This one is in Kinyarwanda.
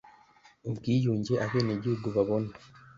ubwiyunge Abenegihugu babona